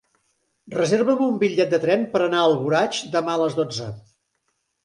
Reserva'm un bitllet de tren per anar a Alboraig demà a les dotze.